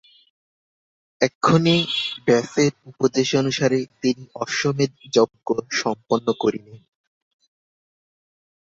এক্ষণে ব্যাসের উপদেশানুসারে তিনি অশ্বমেধ যজ্ঞ সম্পন্ন করিলেন।